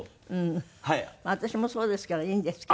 私もそうですからいいんですけど。